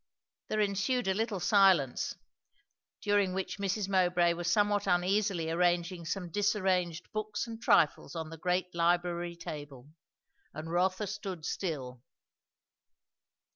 There ensued a little silence, during which Mrs. Mowbray was somewhat uneasily arranging some disarranged books and trifles on the great library table; and Rotha stood still.